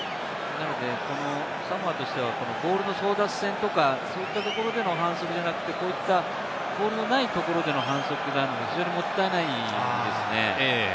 サモアとしてはボールの争奪戦とか、そういったところでの反則じゃなくてボールのないところでの反則となるので非常にもったいないですね。